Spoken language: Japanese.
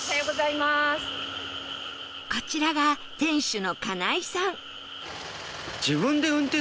こちらが店主の金井さん